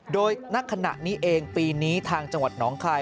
โดยณขณะนี้เองปีนี้ทางจังหวัดหนองคาย